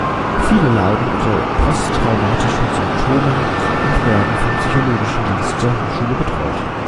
Viele leiden unter posttraumatischen Symptomen und werden vom psychologischen Dienst der Hochschule betreut.